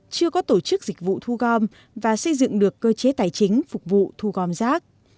chưa có tổ chức dịch vụ thu gom và xây dựng được cơ chế tài chính phục vụ thu gom rác